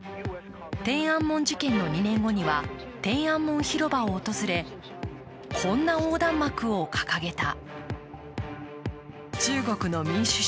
天安門事件の２年後には天安門広場を訪れこんな横断幕を掲げた。